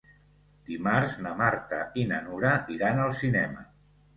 Dimarts na Marta i na Nura iran al cinema.